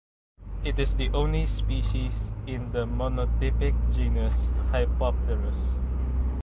It is the only species in the monotypic genus Hypopterus.